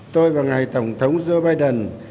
tôi và ngài tổng thống joe biden